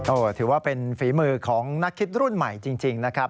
ถือว่าเป็นฝีมือของนักคิดรุ่นใหม่จริงนะครับ